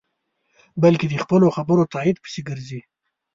بلکې د خپلو خبرو تایید پسې گرځي.